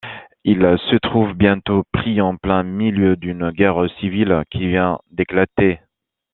Ils se trouvent bientôt pris en plein milieu d’une guerre civile qui vient d’éclater.